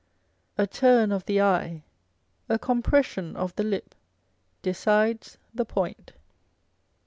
A turn of the eye, a compression of the lip decides the point.